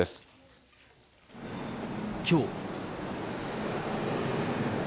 きょう。